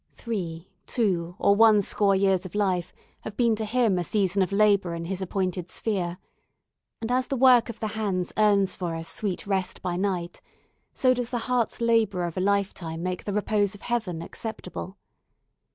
Three, two, or one score years of life have been to him a season of labour in his appointed sphere; and as the work of the hands earns for us sweet rest by night, so does the heart's labour of a lifetime make the repose of heaven acceptable.